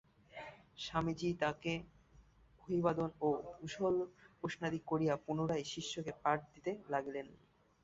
স্বামীজী তাঁহাকে অভিবাদন ও কুশলপ্রশ্নাদি করিয়া পুনরায় শিষ্যকে পাঠ দিতে লাগিলেন।